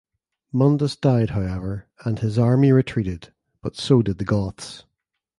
Mundus died however and his army retreated but so did the Goths.